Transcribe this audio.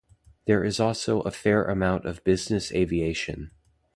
There is also a fair amount of business aviation.